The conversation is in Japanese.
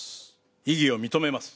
異議を認めます。